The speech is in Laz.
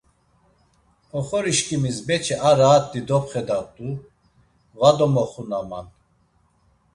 Oxorişkimis beçi a raat̆i dopxedat̆u, va domoxunaman.